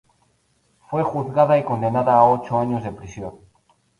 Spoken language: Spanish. Fue juzgada y condenada a ocho años de prisión.